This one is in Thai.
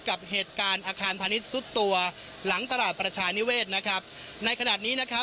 กับเหตุการณ์อาคารพาณิชย์สุดตัวหลังตลาดประชานิเวศนะครับในขณะนี้นะครับ